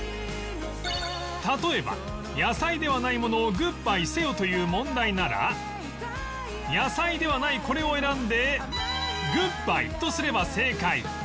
例えば野菜ではないものをグッバイせよという問題なら野菜ではないこれを選んで「グッバイ」とすれば正解